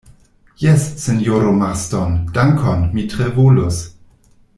Jes, sinjoro Marston, dankon, mi tre volus.